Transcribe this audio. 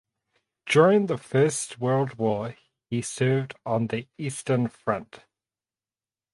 During the First World War he served on the Eastern Front.